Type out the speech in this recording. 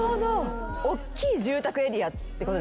おっきい住宅エリアってことですね